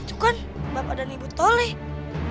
itu kan bapak dan ibu toleh